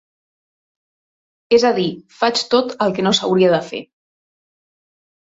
És a dir, faig tot el que no s’hauria de fer.